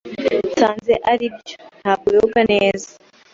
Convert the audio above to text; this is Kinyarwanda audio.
Nsanze aribyo ntabwo yoga neza